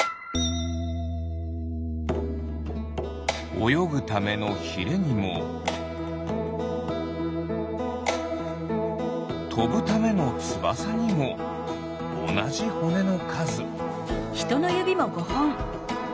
およぐためのヒレにもとぶためのつばさにもおなじほねのかず。